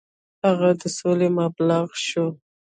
هغه د سولې مبلغ شو.